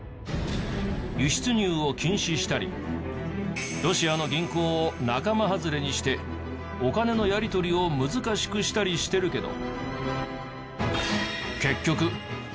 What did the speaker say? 輸出入を禁止したりロシアの銀行を仲間外れにしてお金のやりとりを難しくしたりしてるけど。